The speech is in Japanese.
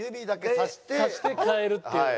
さして帰るっていう。